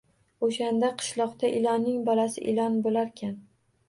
O‘shanda qishloqda ilonning bolasi ilon bo‘larkan